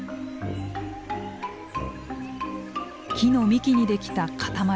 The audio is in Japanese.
木の幹に出来た塊。